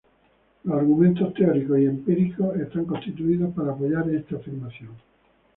Los argumentos teóricos y empíricos están construidos para apoyar esta afirmación.